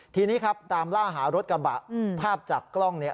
ทีนี้ครับตามล่าหารถกระบะภาพจากกล้องเนี่ย